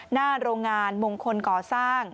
หน้าโรงงานมงคลก่อสร้างบรรมเมาะสถานีห้วงใต้